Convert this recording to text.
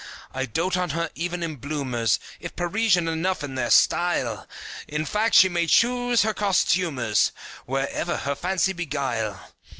I dote on her even in bloomers If Parisian enough in their style In fact, she may choose her costumers, Wherever her fancy beguile.